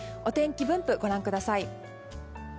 お天気分布、ご覧ください。